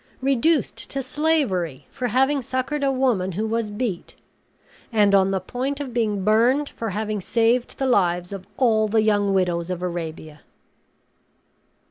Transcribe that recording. reduced to slavery for having succored a woman who was beat! and on the point of being burned for having saved the lives of all the young widows of Arabia!"